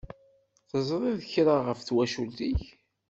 Teẓṛiḍ kra ɣef twacult-ik?